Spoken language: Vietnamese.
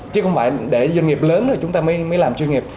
chứ không phải để doanh nghiệp lớn rồi chúng ta mới làm chuyên nghiệp